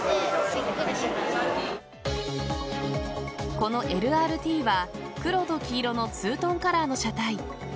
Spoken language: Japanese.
このＬＲＴは黒と黄色のツートンカラーの車体。